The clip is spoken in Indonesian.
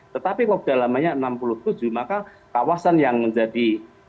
tetapi kalau kedalamannya enam puluh tujuh maka kawasan yang menjadi